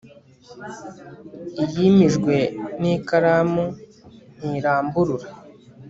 iyimijwe n'ikaramu ntiramburura